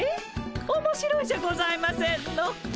おもしろいじゃございませんの。